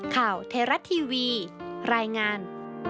ข่าวไทยรัฐทีวีรายงาน